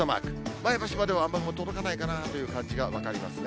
前橋までは届かないかなという感じが分かりますね。